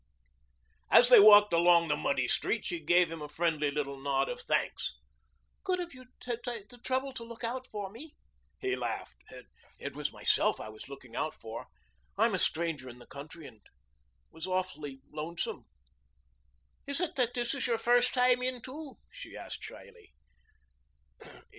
As they walked along the muddy street she gave him a friendly little nod of thanks. "Good of you to take the trouble to look out for me." He laughed. "It was myself I was looking out for. I'm a stranger in the country and was awfully lonesome." "Is it that this is your first time in too?" she asked shyly.